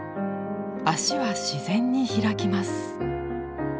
脚は自然に開きます。